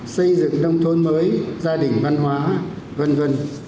xây dựng nông thôn mới gia đình văn hóa v v